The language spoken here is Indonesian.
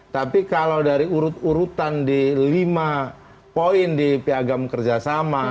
tapi kalau dari urut urutan di lima poin di piagam kerjasama